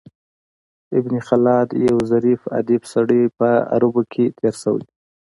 ابن خلاد یو ظریف ادیب سړی په عربو کښي تېر سوى دﺉ.